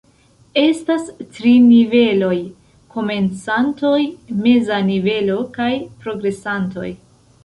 Estas tri niveloj: komencantoj, meza nivelo kaj progresantoj.